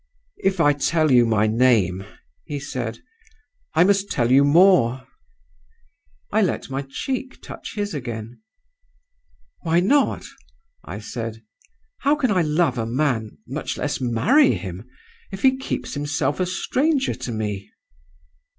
"'If I tell you my name,' he said, 'I must tell you more.' "I let my cheek touch his again. "'Why not?' I said. 'How can I love a man much less marry him if he keeps himself a stranger to me?